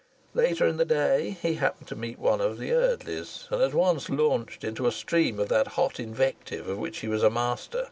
Later in the day he happened to meet one of the Eardleys, and at once launched into a stream of that hot invective of which he was a master.